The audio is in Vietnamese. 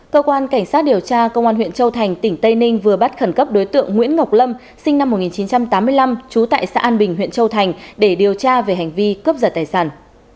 cơ quan cảnh sát điều tra công an huyện châu thành tỉnh tây ninh vừa bắt khẩn cấp đối tượng nguyễn ngọc lâm sinh năm một nghìn chín trăm tám mươi năm trú tại xã an bình huyện châu thành để điều tra về hành vi cướp giật tài sản